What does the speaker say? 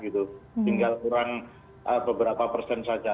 tinggal kurang beberapa persen saja